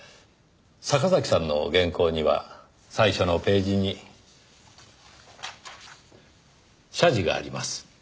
坂崎さんの原稿には最初のページに謝辞があります。